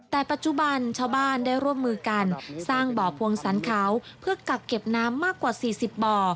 แต่ปัจจุบันชาวบ้านได้ร่วมมือกันสร้างบ่อพวงสรรเขาเพื่อกักเก็บน้ำมากกว่า๔๐บ่อ